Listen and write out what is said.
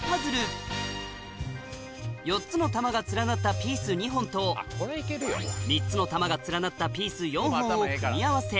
４つの玉が連なったピース２本と３つの玉が連なったピース４本を組み合わせ